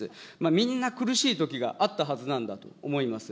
みんな、苦しいときがあったはずなんだと思います。